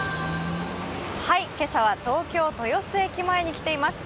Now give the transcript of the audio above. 今朝は東京・豊洲駅前に来ています。